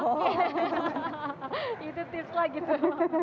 hahaha itu tips lah gitu